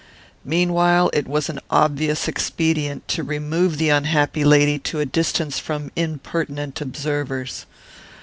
"Meanwhile, it was an obvious expedient to remove the unhappy lady to a distance from impertinent observers.